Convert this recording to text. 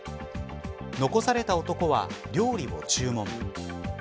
残された男は料理を注文。